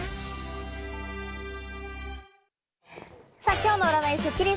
今日の占いスッキリす。